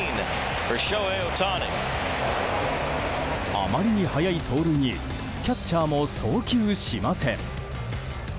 あまりに速い盗塁にキャッチャーも送球しません。